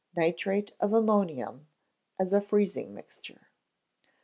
Nitrate of Ammonium as a Freezing Mixture.